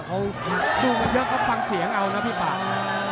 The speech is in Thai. เขาตรงกันเยอะก็ฟังเสียงเอานะพี่ปาก